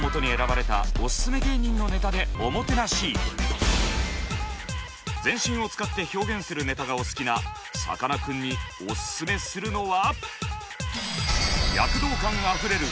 まずは全身を使って表現するネタがお好きなさかなクンにオススメするのは。